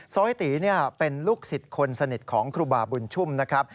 ้อยตีเป็นลูกศิษย์คนสนิทของครูบาบุญชุ่มนะครับ